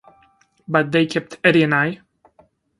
But they kept Eddie and I.